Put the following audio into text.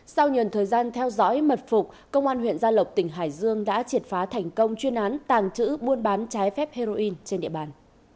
sau nhiều thời gian theo dõi mật phục công an huyện gia lộc tỉnh hải dương đã triệt phá thành công chuyên án tàng trữ buôn bán trái phép heroin trên địa bàn